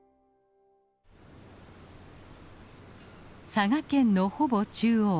佐賀県のほぼ中央。